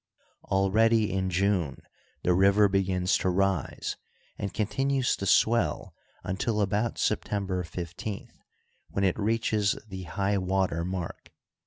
Already in June the river begins to rise, and continues to swell until about September 15th, when it reaches the high water mark.